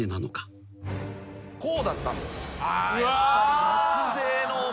こうだったんです。